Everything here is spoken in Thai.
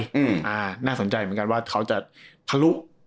ของจ๊ะน่าสนใจว่าเขาจะทะลุ